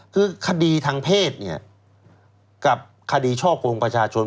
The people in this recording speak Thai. คือคดีทางเพศเนี่ยกับคดีช่อกงประชาชน